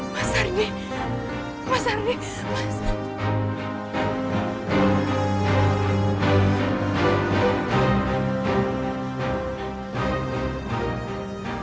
mas ardi mas ardi mas ardi